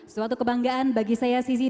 suatu kebanggaan bagi saya sisi